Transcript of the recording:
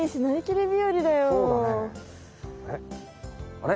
あれ？